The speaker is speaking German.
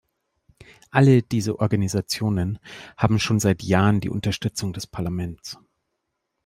Alle diese Organisationen haben schon seit Jahren die Unterstützung des Parlaments.